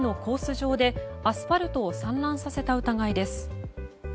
上でアスファルトを散乱させた疑いです。